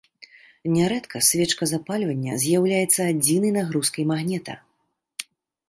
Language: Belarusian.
Нярэдка свечка запальвання з'яўляецца адзінай нагрузкай магнета.